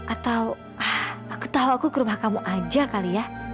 atau aku tahu aku kerumah kamu aja kali ya